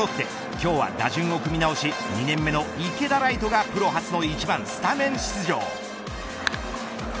今日は打順を組み直し２年目の池田来翔がプロ初の１番スタメン出場。